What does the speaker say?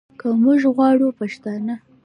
که موږ غواړو پښتانه